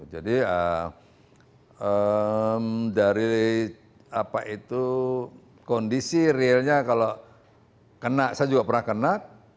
jadi dari kondisi realnya kalau kena saya juga pernah kena